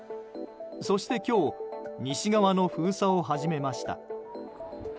そして今日、西側の封鎖を始めました。